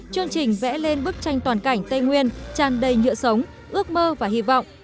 chương trình vẽ lên bức tranh toàn cảnh tây nguyên tràn đầy nhựa sống ước mơ và hy vọng